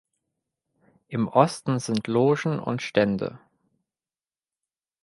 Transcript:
Im Osten sind Logen und Stände.